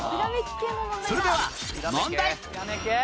それでは問題